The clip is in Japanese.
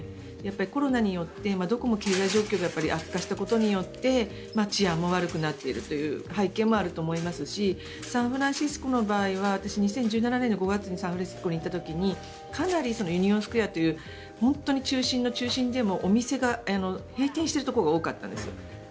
コロナによってどこも経済状況とかが悪化したことによって治安も悪くなっているという背景もあると思いますしサンフランシスコの場合は私、２０１７年５月にサンフランシスコに行った時にかなりユニオンスクエアという本当に中心の中心でもお店が閉店しているところが多かったんです。